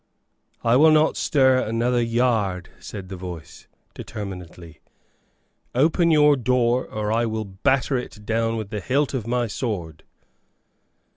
"I will not stir another yard," said the voice, determinedly; "open your door, or I will batter it down with the hilt of my sword."